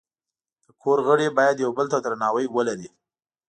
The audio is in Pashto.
د کور غړي باید یو بل ته درناوی ولري.